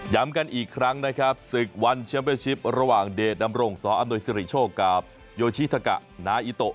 กันอีกครั้งนะครับศึกวันแชมเป็นชิประหว่างเดชดำรงสออำนวยสิริโชคกับโยชิทะกะนาอิโต